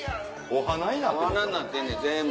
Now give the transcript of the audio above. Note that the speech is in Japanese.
お花になってんねん全部。